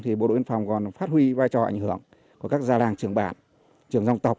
thì bộ đội biên phòng còn phát huy vai trò ảnh hưởng của các gia làng trường bản trường dòng tộc